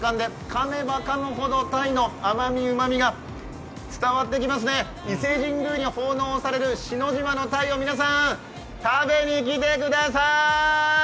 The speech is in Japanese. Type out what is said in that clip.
かめばかむほどタイの甘み、うまみが伝わってきますね、伊勢神宮に奉納される篠島のタイを皆さん、食べに来てください。